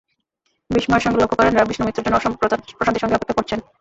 বিস্ময়ের সঙ্গে লক্ষ করেন, রামকৃষ্ণ মৃত্যুর জন্য অসম্ভব প্রশান্তির সঙ্গেই অপেক্ষা করছেন।